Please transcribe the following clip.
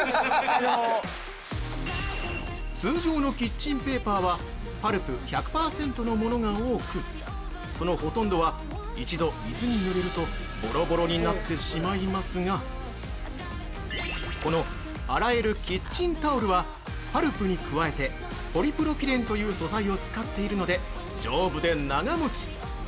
◆通常のキッチンペーパーはパルプ１００％のものが多くそのほとんどは一度水にぬれるとぼろぼろになってしまいますがこの洗えるキッチンタオルはパルプに加えて、ポリプロピレンという素材を使っているので、丈夫で長もち！